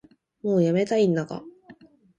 もうやめたいんだが